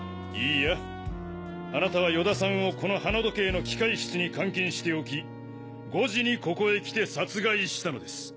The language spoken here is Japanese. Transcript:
いいやあなたは与田さんをこの花時計の機械室に監禁しておき５時にここへ来て殺害したのです。